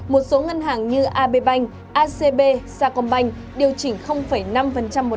một số ngân hàng như ab bank acb sacombank điều chỉnh năm một năm